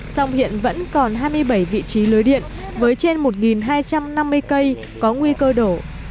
song hiện vẫn còn hai mươi bảy vị trí lưới điện với trên một hai trăm năm mươi cây có nguy cơ đổ